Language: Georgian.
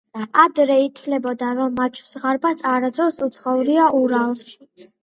ადრე ითვლებოდა, რომ მაჩვზღარბას არასოდეს უცხოვრია ურალში.